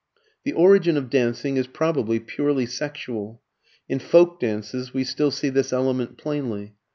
The origin of dancing is probably purely sexual. In folk dances we still see this element plainly.